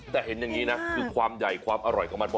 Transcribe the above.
แต่เห็นอย่างนี้นะคือความใหญ่ความอร่อยของมันพอ